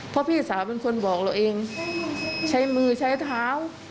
เพราะพี่สาวเป็นคนบอกเราเองใช้มือใช้เท้า